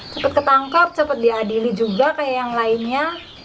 cepat ketangkap cepat diadili juga kayak yang lainnya